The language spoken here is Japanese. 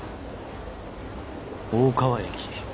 大川駅？